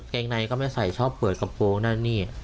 งในก็ไม่ใส่ชอบเปิดกระโปรงนั่นนี่